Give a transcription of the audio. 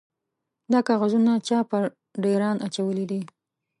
_دا کاغذونه چا پر ډېران اچولي دي؟